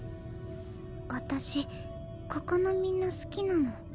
私ここのみんな好きなの。